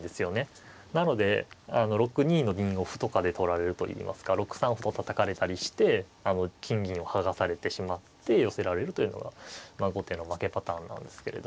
なので６二の銀を歩とかで取られるといいますか６三歩をたたかれたりして金銀を剥がされてしまって寄せられるというのが後手の負けパターンなんですけれども。